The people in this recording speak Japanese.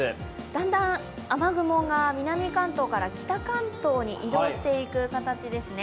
だんだん雨雲が南関東から北関東に移動していく形ですね。